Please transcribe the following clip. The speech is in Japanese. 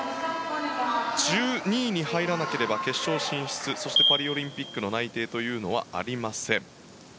１２位に入らなければ決勝進出そしてパリオリンピックの内定はありません。